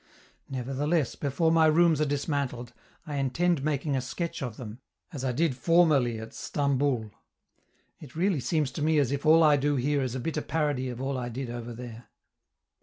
Nevertheless, before my rooms are dismantled, I intend making a sketch of them, as I did formerly at Stamboul. It really seems to me as if all I do here is a bitter parody of all I did over there.